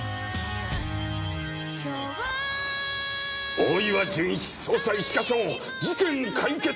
大岩純一捜査一課長事件解決